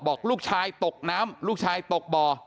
บอกลูกชายตกน้ำลูกชายตกบ่อ